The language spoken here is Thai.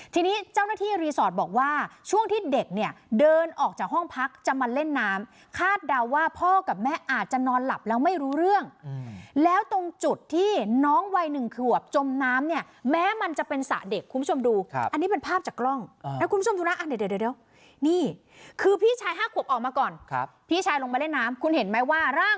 ทีนี้เจ้าหน้าที่รีสอร์ทบอกว่าช่วงที่เด็กเนี่ยเดินออกจากห้องพักจะมาเล่นน้ำคาดเดาว่าพ่อกับแม่อาจจะนอนหลับแล้วไม่รู้เรื่องแล้วตรงจุดที่น้องวัย๑ขวบจมน้ำเนี่ยแม้มันจะเป็นสระเด็กคุณผู้ชมดูอันนี้เป็นภาพจากกล้องแล้วคุณผู้ชมดูนะเดี๋ยวนี่คือพี่ชาย๕ขวบออกมาก่อนพี่ชายลงมาเล่นน้ำคุณเห็นไหมว่าร่าง